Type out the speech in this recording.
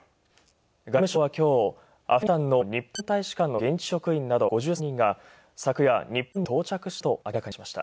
外務省は今日、アフガニスタンの日本大使館の現地職員など５３人が昨夜、日本に到着したと明らかにしました。